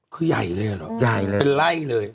คือใหญ่เลยหรอเป็นไล่เลย